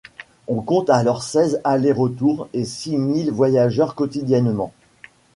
On compte alors seize aller-retours et six mille voyageurs quotidiennement.